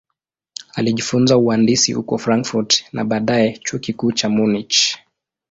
Alijifunza uhandisi huko Frankfurt na baadaye Chuo Kikuu cha Munich.